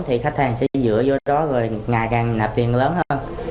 thì khách hàng sẽ dựa vô đó rồi ngày càng nạp tiền lớn hơn